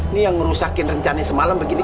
ini yang ngerusakin rencana semalam begini